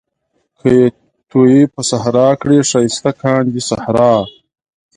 که يې تويې په صحرا کړې ښايسته کاندي صحرا